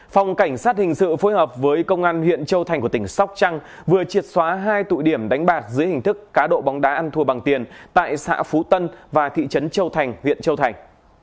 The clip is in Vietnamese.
phòng cảnh sát hình sự phối hợp với công an huyện châu thành của tỉnh sóc trăng vừa triệt xóa hai tụ điểm đánh bạc dưới hình thức cá độ bóng đá ăn thua bằng tiền tại xã phú tân và thị trấn châu thành huyện châu thành